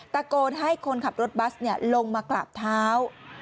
ตะโกนให้คนขับรถบัสลงมากราบเท้า